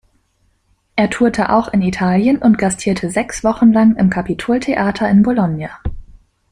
Er tourte auch in Italien und gastierte sechs Wochen lang im Capitol-Theater in Bologna.